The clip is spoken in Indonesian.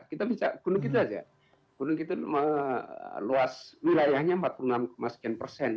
kita bisa gunung kita saja gunung kita luas wilayahnya empat puluh enam sekian persen